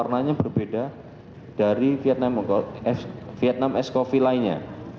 dan warnanya berbeda dari vietnam ice coffee lainnya